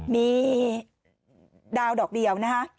มีดาวดอกเดียวนะคะ